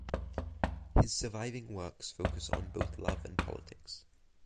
His surviving works focus on both love and politics.